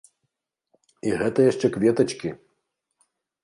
І гэта яшчэ кветачкі!